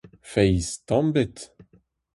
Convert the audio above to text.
Feiz, tamm ebet.